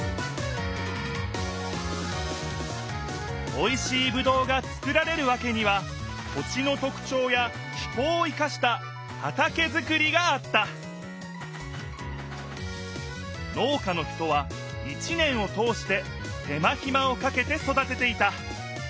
おいしいぶどうがつくられるわけには土地のとくちょうや気候を生かした畑づくりがあった農家の人は一年を通して手間ひまをかけて育てていた。